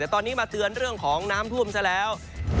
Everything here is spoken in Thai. ตอนนี้มาเตือนเรื่องของน้ำท่วมซะแล้ว